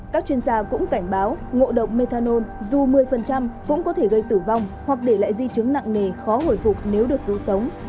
các chuyên gia cũng cảnh báo ngộ độc methanol dù một mươi cũng có thể gây tử vong hoặc để lại di chứng nặng nề khó hồi phục nếu được cứu sống